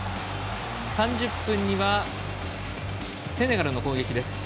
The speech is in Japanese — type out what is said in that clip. ３０分にはセネガルの攻撃です。